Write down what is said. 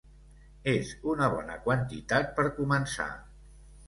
És una bona quantitat per començar.